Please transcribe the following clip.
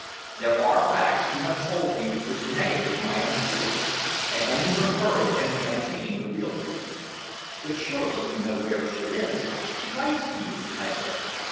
"There are facts you have told me which negative my own theories, and only from her can we obtain the real truth." "But surely you know where she is? She writes to you," I said.